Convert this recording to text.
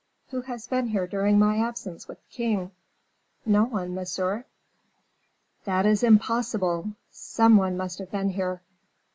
"Who has been here during my absence with the king?" "No one, monsieur." "That is impossible! Some one must have been here."